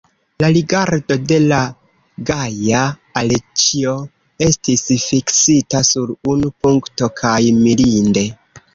La rigardo de la gaja Aleĉjo estis fiksita sur unu punkto, kaj mirinde!